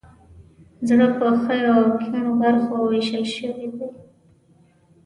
زړه په ښیو او کیڼو برخو ویشل شوی دی.